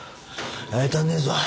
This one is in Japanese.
やり足んねえぞ。